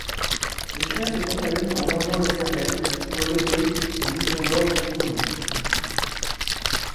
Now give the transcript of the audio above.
Le chien se contamine en mangeant les cervelles, rejetées, des moutons morts du tournis.